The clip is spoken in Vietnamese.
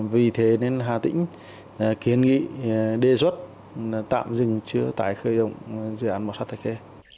vì thế nên hà tĩnh kiến nghị đề xuất tạm dừng chưa tái khởi động dự án mỏ sắt thạch khê